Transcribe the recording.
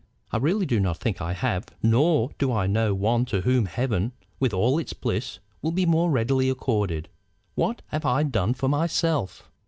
"I really do not think I have, nor do I know one to whom heaven with all its bliss will be more readily accorded. What have I done for myself?"